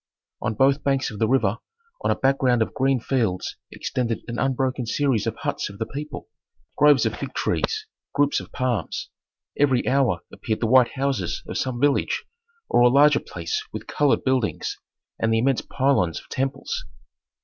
On both banks of the river, on a background of green fields, extended an unbroken series of huts of the people, groves of fig trees, groups of palms. Every hour appeared the white houses of some village, or a larger place with colored buildings, and the immense pylons of temples.